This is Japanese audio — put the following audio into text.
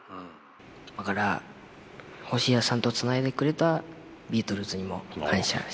だからホシヤさんとつないでくれたビートルズにも感謝してます。